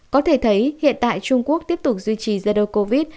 có thể thấy hiện tại trung quốc tiếp tục duy trì dây đôi covid